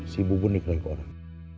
si bubur dikira itu orang